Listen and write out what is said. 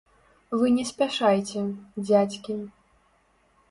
Вы не спяшайце, дзядзькі.